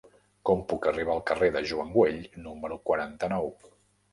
Com puc arribar al carrer de Joan Güell número quaranta-nou?